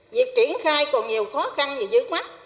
việc triển khai còn nhiều khó khăn và dưới mắt